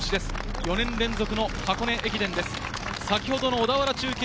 ４年連続の箱根駅伝です。